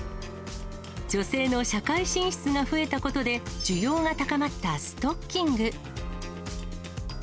女性の社会進出が増えたことで、需要が高まったストッキング。